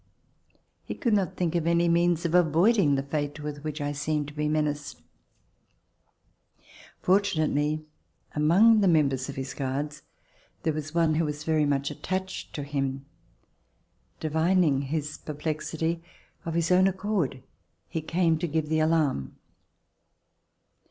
He could not think of any means of avoiding the fate with which I seemed to be menaced. Fortunately, among the members of his guards there was one who was very much attached to him. Divin ing his perplexity, of his own accord, he came to give the alarm.